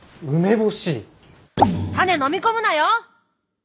種飲み込むなよ！